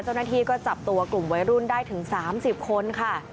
เจ้าหน้าที่ก็จับตัวกลุ่มวัยรุ่นได้ถึง๓๐คนค่ะ